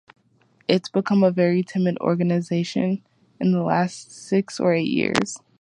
It's become a very timid organization in the last six or eight years.